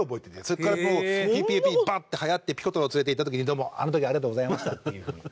そこからもう『ＰＰＡＰ』バッとはやってピコ太郎連れていった時に「どうもあの時はありがとうございました」っていう風に。